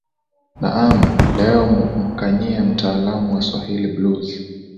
naam leo mkanyia mtaalamu wa swahili blues